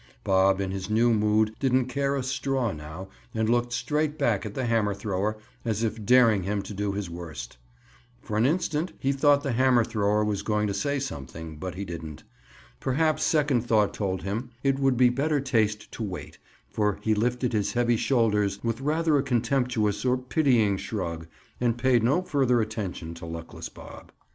Bob in his new mood didn't care a straw now and looked straight back at the hammer thrower, as if daring him to do his worst. For an instant he thought the hammer thrower was going to say something, but he didn't. Perhaps second thought told him it would be better taste to wait, for he lifted his heavy shoulders with rather a contemptuous or pitying shrug and paid no further attention to luckless Bob.